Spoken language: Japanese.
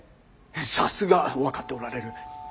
さすが分かっておられる。